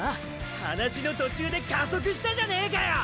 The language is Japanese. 話の途中で加速したじゃねえかよ。